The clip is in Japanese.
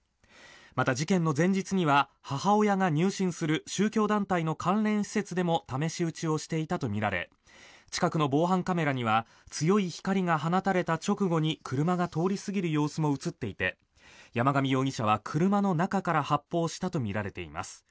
また事件の前日には母親が入信する宗教団体の関連施設でも試し撃ちをしていたとみられ近くの防犯カメラには強い光が放たれた直後に車が通り過ぎる様子も映っていて山上容疑者は車の中から発砲したとみられています。